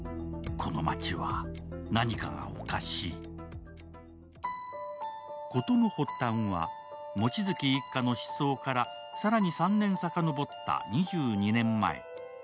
この町は何かがおかしい事の発端は、望月一家の失踪から更に３年さかのぼった２２年前。